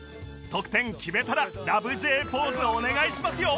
得点決めたら「ラブ ！！Ｊ ポーズ」お願いしますよ